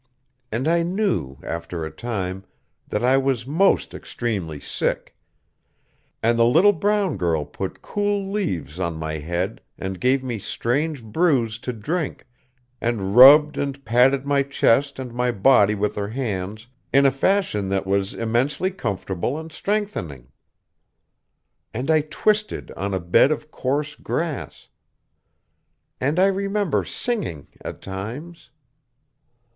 And I knew, after a time, that I was most extremely sick; and the little brown girl put cool leaves on my head, and gave me strange brews to drink, and rubbed and patted my chest and my body with her hands in a fashion that was immensely comfortable and strengthening. And I twisted on a bed of coarse grass.... And I remember singing, at times...."